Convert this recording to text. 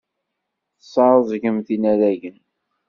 Tesɛeẓgemt inaragen.